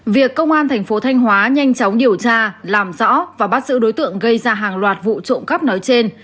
việc công an thành phố thanh hóa nhanh chóng điều tra làm rõ và bắt giữ đối tượng gây ra hàng loạt vụ trộm cắp nói trên